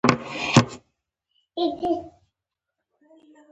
د عدالت ځنډول بې عدالتي ده.